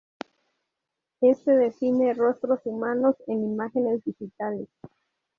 Este define rostros humanos en imágenes digitales.